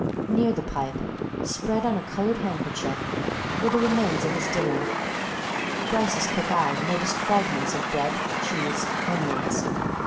Near the pipe, spread on a coloured handkerchief, were the remains of his dinner Bryce's quick eye noticed fragments of bread, cheese, onions.